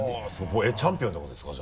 チャンピオンってことですか？